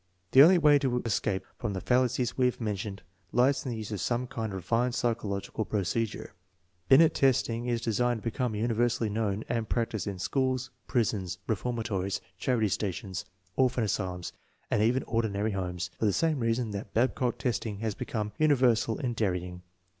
\The only way of escape from the fallacies we have men tioned lies in the use of some kind of refined psychological procedure^, Binet testing is destined to become universally known and practiced in schools, prisons, reformatories, charity stations, orphan asylums, and even ordinary homes, for the same reason that Bab^ock testing has become uni versal in dairying.